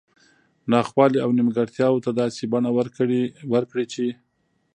نا خوالي او نیمګړتیاوو ته داسي بڼه ورکړي چې